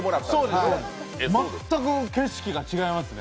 全く景色が違いますね。